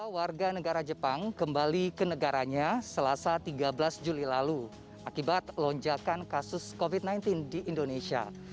dua puluh warga negara jepang kembali ke negaranya selasa tiga belas juli lalu akibat lonjakan kasus covid sembilan belas di indonesia